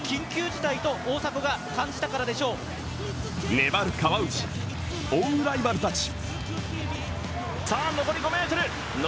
粘る川内、追うライバルたち。